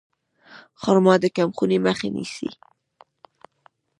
خرما د کمخونۍ مخه نیسي.